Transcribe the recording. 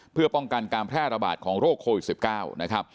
เพื่อป้องกันการแพร่ระบาดของโรคโควิด๑๙นะครับ